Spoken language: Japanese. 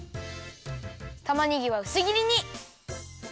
たまねぎはうすぎりに。